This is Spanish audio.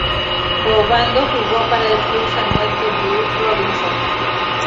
Obando jugó para el Club Samuel W. Robinson.